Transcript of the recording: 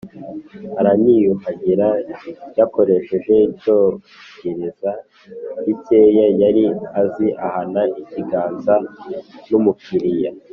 araniyuhagira Yakoresheje Icyongereza gike yari azi ahana ikiganza n umukuriye